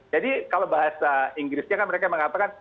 jadi kalau bahasa inggrisnya kan mereka mengatakan